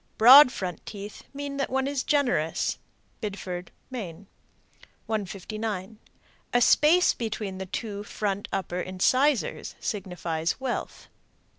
Broad front teeth mean that one is generous. Biddeford, Me. 159. A space between the two front upper incisors signifies wealth.